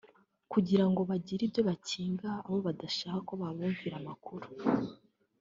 kugira ngo bagire ibyo bakinga abo badashaka ko babumvira amakuru